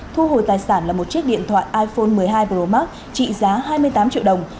thu hồi tài sản là một chiếc điện thoại iphone một mươi hai pro max trị giá hai mươi tám triệu đồng